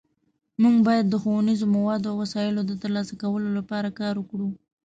مونږ باید د ښوونیزو موادو او وسایلو د ترلاسه کولو لپاره کار وکړو